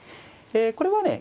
これはね